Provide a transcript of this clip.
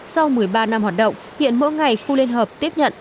sau một mươi ba năm hoạt động hiện mỗi ngày khu liên hợp tiếp nhận